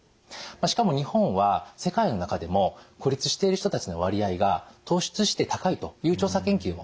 しかも日本は世界の中でも孤立している人たちの割合が突出して高いという調査研究もあるんですね。